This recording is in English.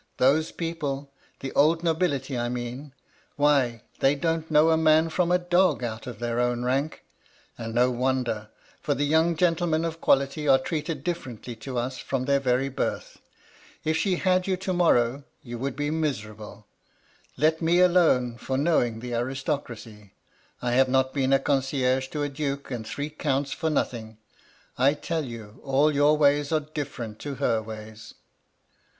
Those people — the old nobility I mean — why they don't know a man from a dog, out of their own rank I And no wonder, for the young gentlemen of quality are treated differently to us from their very birth. If she had you to morrow, you would MY LADY LUDLOW. 177 be miserable. Let me alone for knowing the aris tocracy. I have not been a concierge to a duke and three counts for nothing. I tell you, all your ways are diflerent to her ways.'